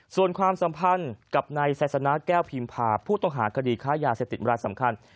ส่วนความสัมพันธ์กับนายไซสนาแก้วพิมพาผู้ต้องหาคดีค้ายาเสพติดรายสำคัญ